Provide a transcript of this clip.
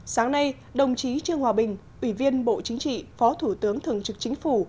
sáng nay đồng chí trương hòa bình ủy viên bộ chính trị phó thủ tướng thường trực chính phủ